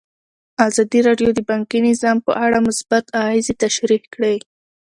ازادي راډیو د بانکي نظام په اړه مثبت اغېزې تشریح کړي.